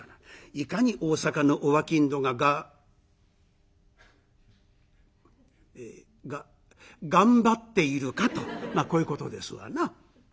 いかに大坂のお商人ががえが頑張っているかとまあこういうことですわな。